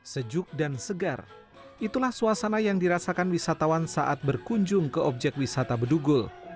sejuk dan segar itulah suasana yang dirasakan wisatawan saat berkunjung ke objek wisata bedugul